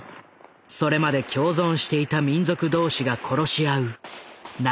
それまで共存していた民族同士が殺し合う内戦が勃発。